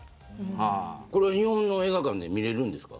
日本の映画館で見れるんですか。